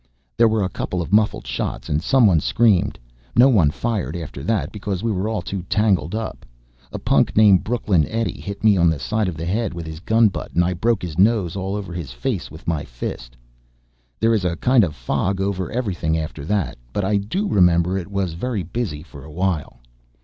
There were a couple of muffled shots and someone screamed. No one fired after that because we were too tangled up. A punk named Brooklyn Eddie hit me on the side of the head with his gunbutt and I broke his nose all over his face with my fist. There is a kind of a fog over everything after that. But I do remember it was very busy for a while.